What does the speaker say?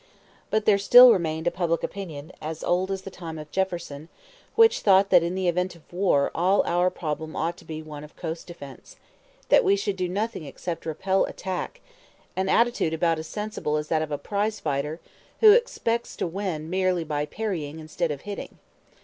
But there still remained a public opinion, as old as the time of Jefferson, which thought that in the event of war all our problem ought to be one of coast defense, that we should do nothing except repel attack; an attitude about as sensible as that of a prize fighter who expected to win by merely parrying instead of hitting.